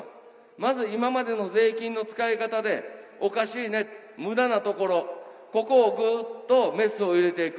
まず今までの税金の使い方で、おかしいね、むだなところ、ここをぐっとメスを入れていく。